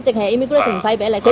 jadi kelas imigrasi sudah berapa lama